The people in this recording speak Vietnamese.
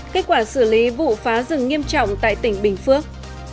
kết quả xử lý vụ phá rừng nghiêm trọng tại tỉnh bình phước